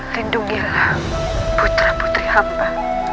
lindungilah putra putri hamba